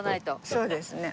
そうですね。